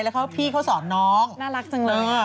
แล้วพี่เขาสอนน้องน่ารักจังเลย